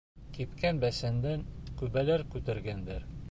Кипкән бесәндән күбәләр күтәргәндәр.